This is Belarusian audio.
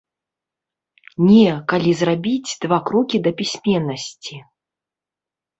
Не, калі зрабіць два крокі да пісьменнасці.